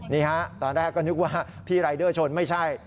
นี่ฮะตอนแรกก็นึกว่าพี่รายเดอร์ชนไม่ใช่